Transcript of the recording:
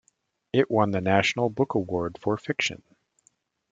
It won the National Book Award for fiction.